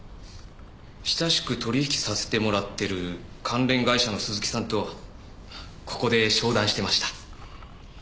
親しく取引させてもらってる関連会社の鈴木さんとここで商談してました。